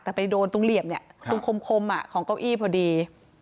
แต่ไปโดนตรงเหลี่ยมเนี่ยตรงคมของเก้าอี้พอดี